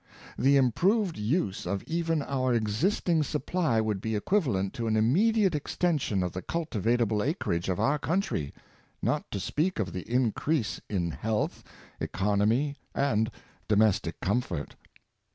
The improved use of even our existing supply would be equivalent to an immediate extension of the cultivable acreage of our country — not to speak of the increase in health, economy and domestic comfort.